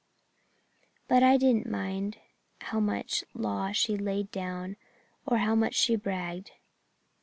But I didn't mind how much law she laid down or how much she bragged.